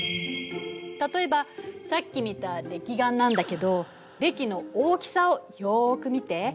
例えばさっき見たれき岩なんだけどれきの大きさをよく見て。